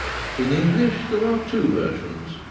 In English there are two versions.